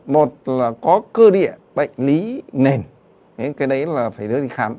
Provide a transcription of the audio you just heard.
một là có cơ địa bệnh lý nền cái đấy là phải đưa đi khám